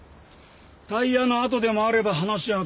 タイヤの跡でもあれば話は別ですが。